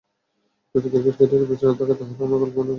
যদি ক্রিকেট ক্যারিয়ারের পেছনে তাকাই তাহলে আমার অনেক গল্প মনে ভেসে ওঠে।